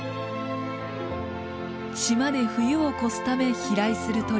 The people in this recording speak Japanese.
島で冬を越すため飛来する鳥。